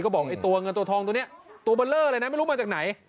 ก็บอกไอ้ตัวเงินตัวทองตัวนี้ตัวเบอร์เลอร์เลยนะไม่รู้มาจากไหน